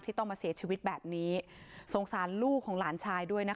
ต้องมาเสียชีวิตแบบนี้สงสารลูกของหลานชายด้วยนะคะ